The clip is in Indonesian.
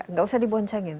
nggak usah diboncengin